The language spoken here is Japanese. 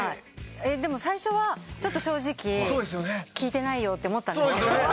でも最初は正直聞いてないよと思ったんですけど。